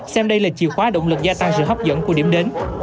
xem đây là chìa khóa động lực gia tăng sự hấp dẫn của điểm đến